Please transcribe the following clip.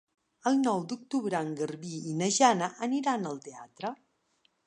El nou d'octubre en Garbí i na Jana aniran al teatre.